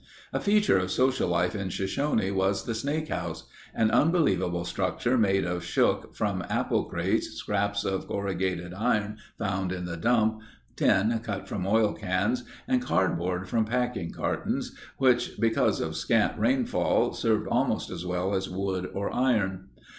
A feature of social life in Shoshone was the Snake House—an unbelievable structure made of shook from apple crates, scraps of corrugated iron found in the dump, tin cut from oil cans, and cardboard from packing cartons, which because of scant rainfall, served almost as well as wood or iron.